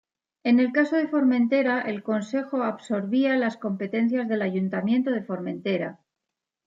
En el caso de Formentera, el Consejo absorbía las competencias del Ayuntamiento de Formentera.